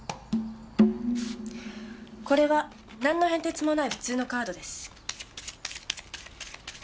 これはなんの変哲もない普通のカードです。